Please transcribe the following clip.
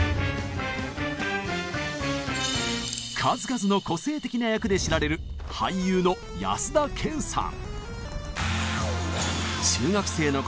数々の個性的な役で知られる俳優の安田顕さん。